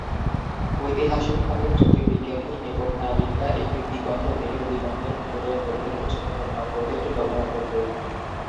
ঐতিহাসিকভাবে, জ্যোতির্বিজ্ঞানী এবং নাবিকরা একটি দিগন্ত দেহের দিগন্তের ওপরের দৈর্ঘ্যের উচ্চতা পরিমাপ করতে এটি ব্যবহার করতো।